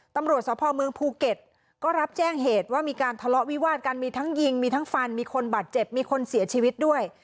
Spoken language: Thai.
ตำรวจสภเมืองภูเก็ตก็รับแจ้งเหตุว่ามีการทะเลาะวิวาดกันมีทั้งยิงมีทั้งฟันมีคนบาดเจ็บมีคนเสียชีวิตด้วย